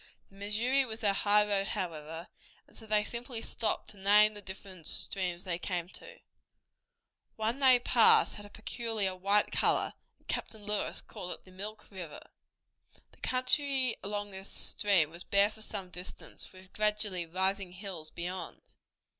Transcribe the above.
The Missouri was their highroad, however, and so they simply stopped to name the different streams they came to. One they passed had a peculiar white color, and Captain Lewis called it the Milk River. The country along this stream was bare for some distance, with gradually rising hills beyond.